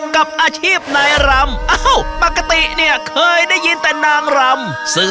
กับอาชีพนายรำปกติเนี่ยเคยได้ยินแต่นางรำ